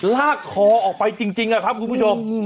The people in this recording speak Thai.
ลากคอออกไปจริงนะครับคุณผู้ชม